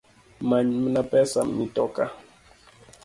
Manymana pesa mitoka